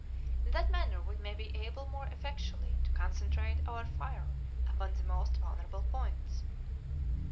In that manner we may be able more effectually to concentrate our fire upon the most vulnerable points."